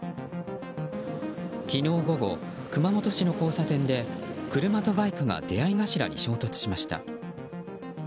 昨日午後、熊本市の交差点で車とバイクが出合い頭に衝突しました。